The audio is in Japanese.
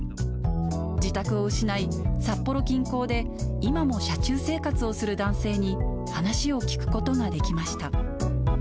自宅を失い、札幌近郊で今も車中生活をする男性に話を聞くことができました。